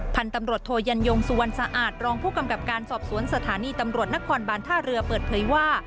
พันธุ์ตำรวจโทยันยงสุวรรณสะอาดรองผู้กำกับการสอบสวนสถานีตำรวจนครบานท่าเรือเปิดเผยว่า